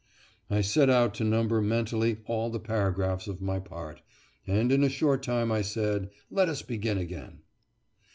I set out to number mentally all the paragraphs of my part, and in a short time I said. "Let us begin again."